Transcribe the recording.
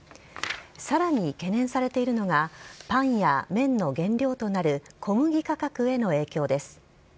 さらに懸念されているのが、パンや麺の原料となる小麦価格への影響です。